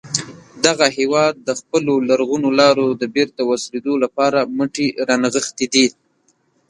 دغه هیواد د خپلو لرغونو لارو د بېرته وصلېدو لپاره مټې را نغښتې دي.